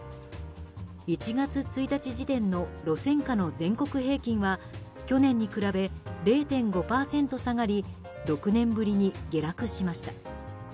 １月１日時点の路線価の全国平均は去年に比べ０．５％下がり６年ぶりに下落しました。